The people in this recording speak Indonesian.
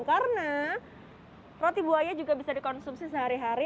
karena roti buaya juga bisa dikonsumsi sehari hari